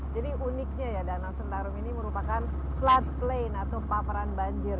jadi uniknya ya danau sentarum ini merupakan flood plain atau paparan banjir